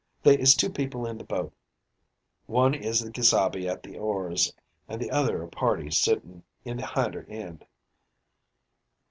They is two people in the boat. One is the gesabe at the oars an' the other a party sitting in the hinder end.